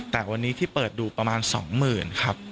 แต่วันนี้ที่เปิดดูประมาณ๒๐๐๐ครับ